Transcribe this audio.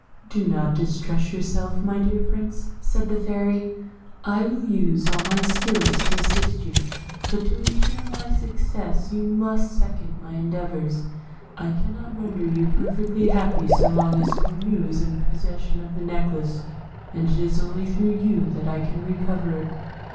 "Do not distress yourself, my dear Prince," said the Fairy, "I will use all my skill to assist you; but to ensure my success you must second my endeavours. I cannot render you perfectly happy so long as Cornue is in possession of the necklace, and it is only through you that I can recover it.